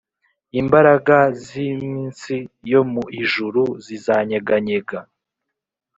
imbaraga z’Imsns yo mu ijuru zizanyeganyega